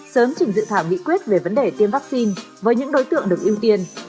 sớm chỉnh dự thả nghị quyết về vấn đề tiêm vaccine với những đối tượng được ưu tiên